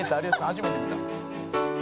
初めて見た。